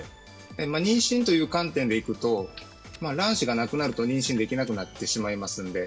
妊娠という観点でいくと卵子がなくなると妊娠できなくなってしまいますので。